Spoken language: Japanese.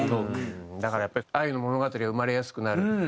だからやっぱり愛の物語が生まれやすくなる。